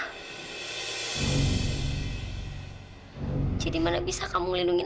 hai jadi mana bisa kamu lindungi